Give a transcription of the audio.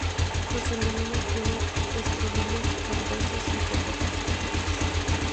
Los femeninos tienen estróbilos verdosos y poco perceptibles.